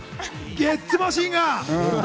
ゲッツマシンガン。